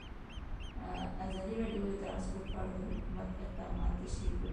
ازادي راډیو د ترانسپورټ په اړه د حکومت اقدامات تشریح کړي.